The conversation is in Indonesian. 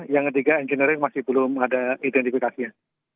yang ketiga engineering masih belum ada identifikasinya